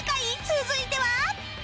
続いては